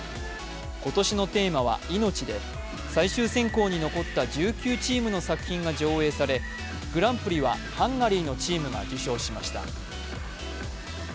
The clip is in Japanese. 今年のテーマは「命」で、最終選考に残った１９チームの作品が上演されグランプリはハンガリーのチームが受賞しました。